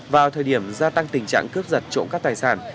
vào thời điểm gia tăng tình trạng cướp giật trộm cắp tài sản